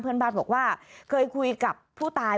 เพื่อนบ้านบอกว่าเคยคุยกับผู้ตาย